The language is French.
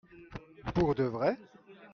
Pour de vrai ?